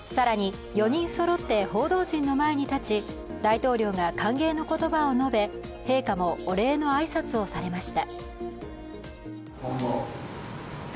更に、４人そろって報道陣の前に立ち大統領が歓迎の言葉を述べ陛下もお礼の挨拶をされました。